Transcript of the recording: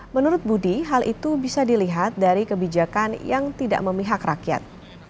menurut budi hal itu bisa dilihat dari kebijakan yang tidak memihak rakyat